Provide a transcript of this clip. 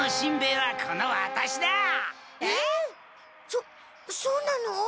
そそうなの？